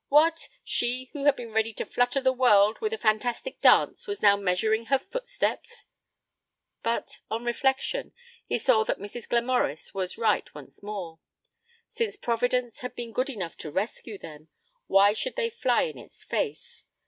What! She who had been ready to flutter the world with a fantastic dance was now measuring her footsteps. But on reflection he saw that Mrs. Glamorys was right once more. Since Providence had been good enough to rescue them, why should they fly in its face?